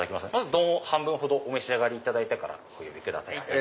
丼を半分お召し上がりいただいてお呼びください。